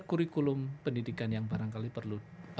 kurikulum pendidikan yang barangkali perlu